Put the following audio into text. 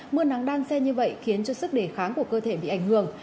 mưa nắng đan xe như vậy khiến cho sức đề kháng của cơ thể bị ảnh hưởng